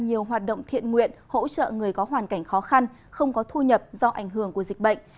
nhiều hoạt động thiện nguyện hỗ trợ người có hoàn cảnh khó khăn không có thu nhập do ảnh hưởng của dịch bệnh